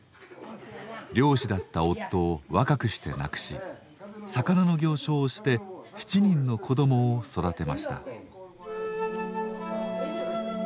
漁師だった夫を若くして亡くし魚の行商をして７人の子どもを育てました。